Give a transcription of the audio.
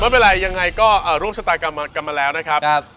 เวลายังไงก็ร่วมชะตากรรมกันมาแล้วนะครับ